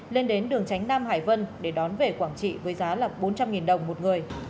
lên đến đường tránh nam hải vân để đón về quảng trị với giá bốn trăm linh đồng một người